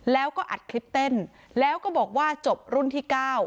แล้วก็อัดคลิปเต้นแล้วก็บอกว่าจบรุ่นที่๙